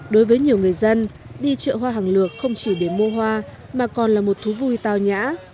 đối với nhiều người dân đi chợ hoa hàng lược không chỉ để mua hoa mà còn là một thú vui tao nhã